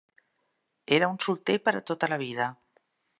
Era un solter per a tota la vida.